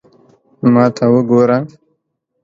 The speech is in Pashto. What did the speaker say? ما ته وګوره